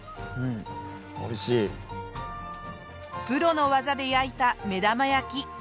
プロの技で焼いた目玉焼き。